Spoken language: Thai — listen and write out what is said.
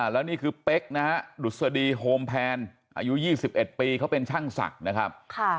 แล้วนี่คือเป๊กนะฮะดุษฎีโฮมแพนอายุ๒๑ปีเขาเป็นช่างศักดิ์นะครับ